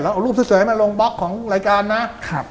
แล้วเอารูปสุดสวยให้มาลงบล็อกของรายการนะ